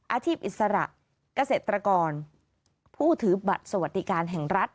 อาทิบอิสระกเศรษฐกรผู้ถือบัตรสวัสดิการแห่งรัฐ